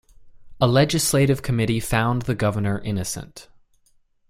A legislative committee found the governor innocent.